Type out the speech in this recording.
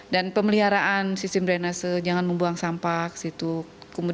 dan pemeliharaan sistem drainase jangan membuang sampah ke situ